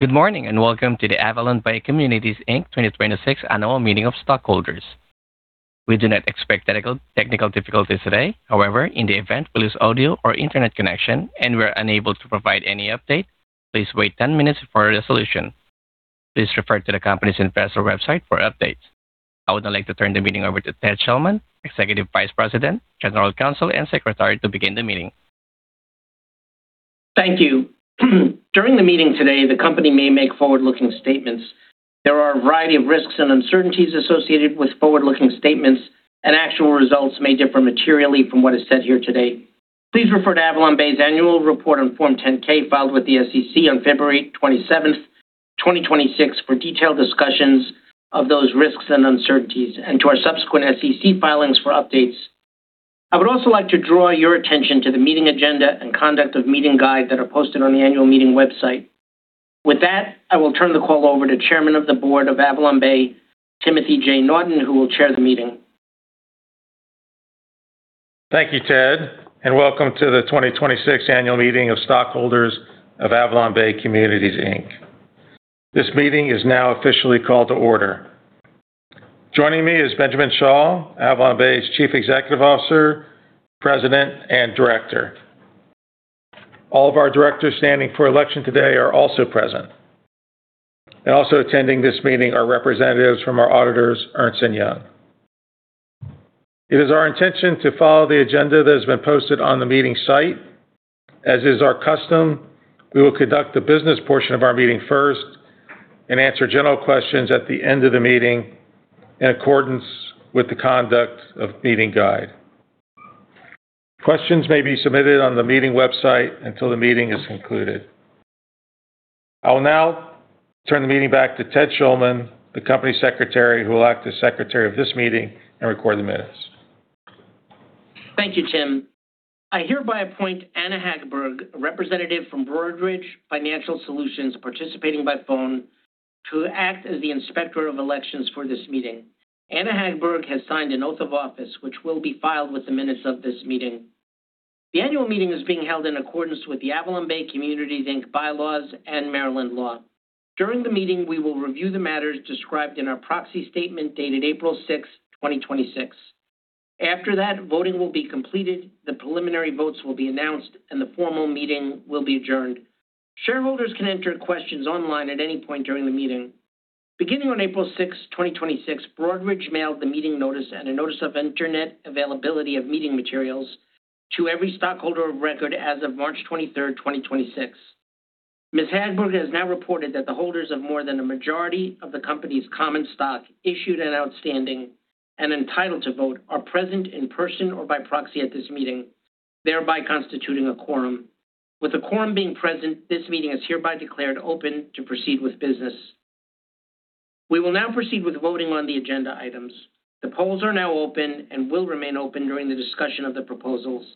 Good morning, welcome to the AvalonBay Communities, Inc. 2026 Annual Meeting of Stockholders. We do not expect technical difficulties today. In the event we lose audio or internet connection and we're unable to provide any update, please wait 10 minutes for a solution. Please refer to the company's investor website for updates. I would now like to turn the meeting over to Ted Schulman, Executive Vice President, General Counsel, and Secretary, to begin the meeting. Thank you. During the meeting today, the company may make forward-looking statements. There are a variety of risks and uncertainties associated with forward-looking statements, and actual results may differ materially from what is said here today. Please refer to AvalonBay's annual report on Form 10-K filed with the SEC on February 27th, 2026, for detailed discussions of those risks and uncertainties and to our subsequent SEC filings for updates. I would also like to draw your attention to the meeting agenda and conduct of meeting guide that are posted on the annual meeting website. With that, I will turn the call over to Chairman of the Board of AvalonBay, Timothy J. Naughton, who will chair the meeting. Thank you, Ted. Welcome to the 2026 Annual Meeting of Stockholders of AvalonBay Communities, Inc. This meeting is now officially called to order. Joining me is Benjamin Schall, AvalonBay's Chief Executive Officer, President, and Director. All of our directors standing for election today are also present. Also attending this meeting are representatives from our auditors, Ernst & Young. It is our intention to follow the agenda that has been posted on the meeting site. As is our custom, we will conduct the business portion of our meeting first and answer general questions at the end of the meeting in accordance with the conduct of meeting guide. Questions may be submitted on the meeting website until the meeting is concluded. I will now turn the meeting back to Ted Schulman, the Company Secretary, who will act as Secretary of this meeting and record the minutes. Thank you, Tim. I hereby appoint Anna Hagberg, a representative from Broadridge Financial Solutions, participating by phone, to act as the Inspector of Elections for this meeting. Anna Hagberg has signed an oath of office, which will be filed with the minutes of this meeting. The annual meeting is being held in accordance with the AvalonBay Communities Inc. bylaws and Maryland law. During the meeting, we will review the matters described in our proxy statement dated April 6th, 2026. After that, voting will be completed, the preliminary votes will be announced, and the formal meeting will be adjourned. Shareholders can enter questions online at any point during the meeting. Beginning on April 6th, 2026, Broadridge mailed the meeting notice and a notice of internet availability of meeting materials to every stockholder of record as of March 23rd, 2026. Ms. Hagberg has now reported that the holders of more than a majority of the company's common stock issued and outstanding and entitled to vote are present in person or by proxy at this meeting, thereby constituting a quorum. With a quorum being present, this meeting is hereby declared open to proceed with business. We will now proceed with voting on the agenda items. The polls are now open and will remain open during the discussion of the proposals.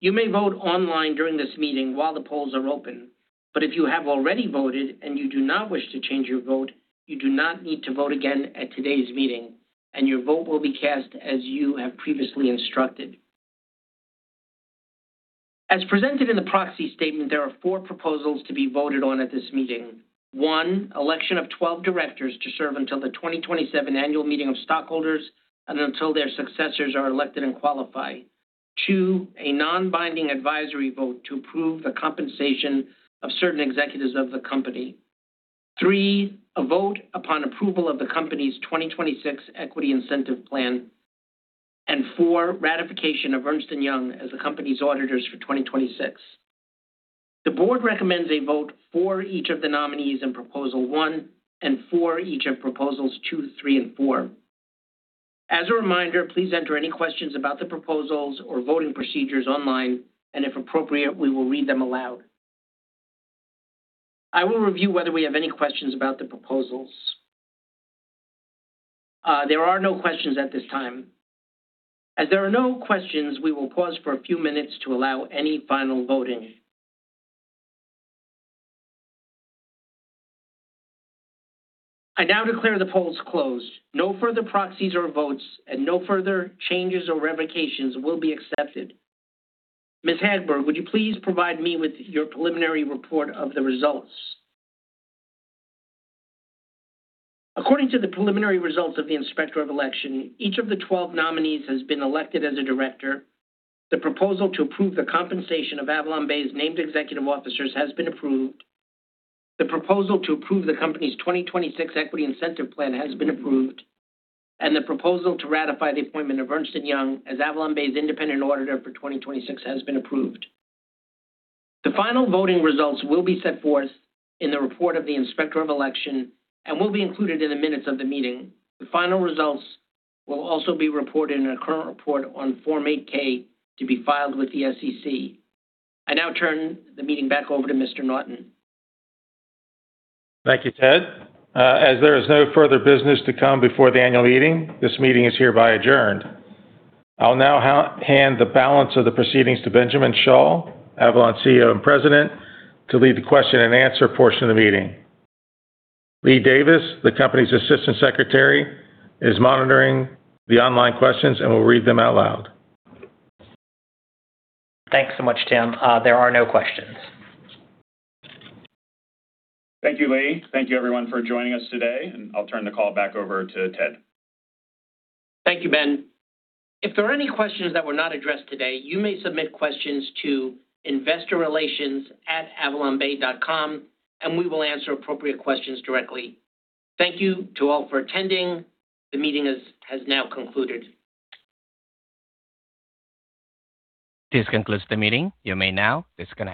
You may vote online during this meeting while the polls are open, but if you have already voted and you do not wish to change your vote, you do not need to vote again at today's meeting, and your vote will be cast as you have previously instructed. As presented in the proxy statement, there are four proposals to be voted on at this meeting. One, election of 12 directors to serve until the 2027 annual meeting of stockholders and until their successors are elected and qualify. Two, a non-binding advisory vote to approve the compensation of certain executives of the company. Three, a vote upon approval of the company's 2026 equity incentive plan. Four, ratification of Ernst & Young as the company's auditors for 2026. The board recommends a vote for each of the nominees in proposal one and for each of proposals two, three, and four. As a reminder, please enter any questions about the proposals or voting procedures online, and if appropriate, we will read them aloud. I will review whether we have any questions about the proposals. There are no questions at this time. As there are no questions, we will pause for a few minutes to allow any final voting. I now declare the polls closed. No further proxies or votes and no further changes or revocations will be accepted. Ms. Hagberg, would you please provide me with your preliminary report of the results? According to the preliminary results of the Inspector of Election, each of the 12 nominees has been elected as a director. The proposal to approve the compensation of AvalonBay's named executive officers has been approved. The proposal to approve the company's 2026 equity incentive plan has been approved. The proposal to ratify the appointment of Ernst & Young as AvalonBay's independent auditor for 2026 has been approved. The final voting results will be set forth in the report of the Inspector of Election and will be included in the minutes of the meeting. The final results will also be reported in a current report on Form 8-K to be filed with the SEC. I now turn the meeting back over to Mr. Naughton. Thank you, Ted. As there is no further business to come before the annual meeting, this meeting is hereby adjourned. I'll now hand the balance of the proceedings to Benjamin Schall, Avalon's CEO and President, to lead the question and answer portion of the meeting. Lee Davis, the company's Assistant Secretary, is monitoring the online questions and will read them out loud. Thanks so much, Tim. There are no questions. Thank you, Lee. Thank you everyone for joining us today. I'll turn the call back over to Ted. Thank you, Ben. If there are any questions that were not addressed today, you may submit questions to investor_relations@avalonbay.com, and we will answer appropriate questions directly. Thank you to all for attending. The meeting has now concluded. This concludes the meeting. You may now disconnect.